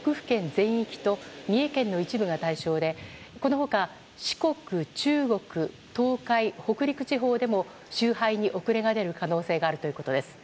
全域と三重県の一部が対象でこの他、四国・中国東海・北陸地方でも集配に遅れが出る可能性があるということです。